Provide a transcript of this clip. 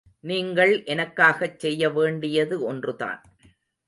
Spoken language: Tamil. நீங்கள் எனக்காகச் செய்ய வேண்டியது ஒன்றுதான்.